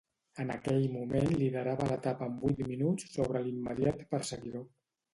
En aquell moment liderava l'etapa amb vuit minuts sobre l'immediat perseguidor.